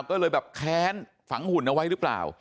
ก็เลยแบบแค้นฝังหุ่นเอาไว้หรือเปล่า